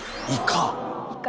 イカ！